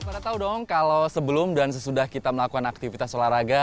pada tau dong kalau sebelum dan sesudah kita melakukan aktivitas olahraga